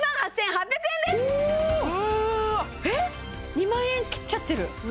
２万円切っちゃってる！